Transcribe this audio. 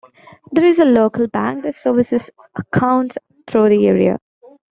There is a local bank that services accounts through the area.